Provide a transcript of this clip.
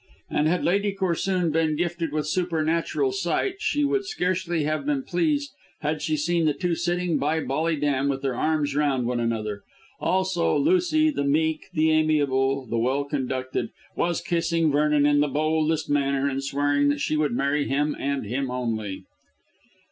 And had Lady Corsoon been gifted with supernatural sight she would scarcely have been pleased had she seen the two sitting by Bolly Dam with their arms round one another. Also Lucy, the meek, the amiable, the well conducted, was kissing Vernon in the boldest manner and swearing that she would marry him and him only.